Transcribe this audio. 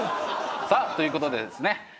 さあということでですねさわ。